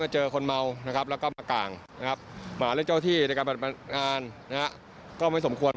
เจอคนเมานะครับแล้วก็มาก่างนะครับมาเรื่องเจ้าที่ในการปฏิบัติงานก็ไม่สมควร